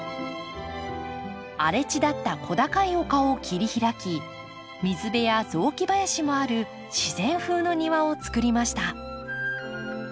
荒れ地だった小高い丘を切り開き水辺や雑木林もある自然風の庭を作りました。